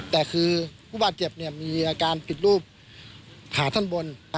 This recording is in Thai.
แต่คือผู้บาดเจ็บมีอาการผิดรูปขาท่านบน